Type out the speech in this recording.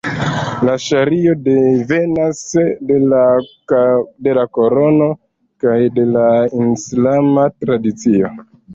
La ŝario devenas de la Korano kaj de la islama tradicio.